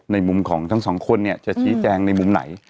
ในมุมของทั้งสองคนเนี่ยจะชี้แจงในมุมไหน